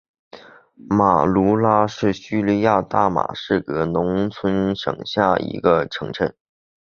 马卢拉是叙利亚大马士革农村省下的一个城镇。